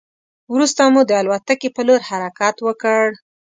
وروسته مو د الوتکې په لور حرکت وکړ.